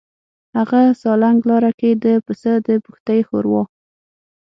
هغه سالنګ لاره کې د پسه د پښتۍ ښوروا.